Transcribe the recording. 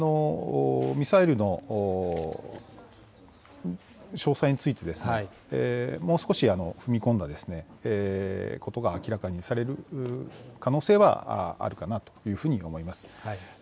ミサイルの詳細について、もう少し踏み込んだことが明らかにされる可能性はあるかなというふうに思います。